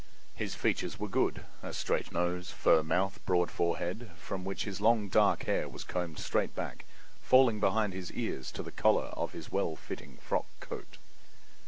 His features were good—a straight nose, firm mouth, broad forehead, from which his long, dark hair was combed straight back, falling behind his ears to the collar of his well fitting frock coat.